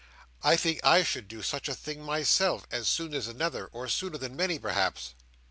I think I should do such a thing myself, as soon as another, or sooner than many, perhaps.